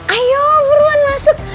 ayo buruan masuk